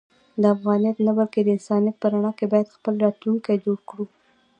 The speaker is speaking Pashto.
د افغانیت نه بلکې د انسانیت په رڼا کې باید خپل راتلونکی جوړ کړو.